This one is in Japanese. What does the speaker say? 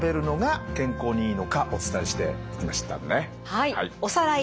はい。